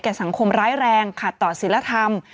สังคมร้ายแรงขัดต่อศิลธรรม